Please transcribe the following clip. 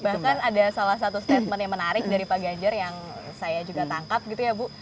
bahkan ada salah satu statement yang menarik dari pak ganjar yang saya juga tangkap gitu ya bu